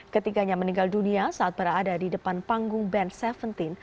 ketiganya meninggal dunia saat berada di depan panggung band tujuh belas